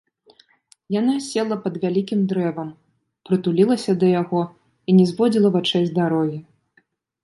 Яна села пад вялікім дрэвам, прытулілася да яго і не зводзіла вачэй з дарогі.